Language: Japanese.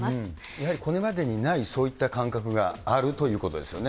やはりこれまでにないそういった感覚があるということですよね。